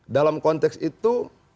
dalam konteks itu